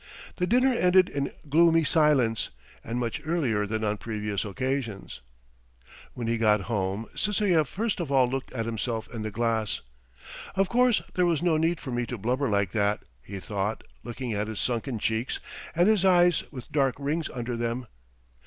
The dinner ended in gloomy silence, and much earlier than on previous occasions. When he got home Sysoev first of all looked at himself in the glass. "Of course there was no need for me to blubber like that!" he thought, looking at his sunken cheeks and his eyes with dark rings under them.